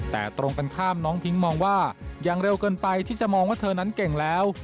แต่ตรงกันข้ามน้องพิ้งมองว่าอย่างเร็วเกินไปที่จะมองว่าเธอนั้นเก่งแล้ว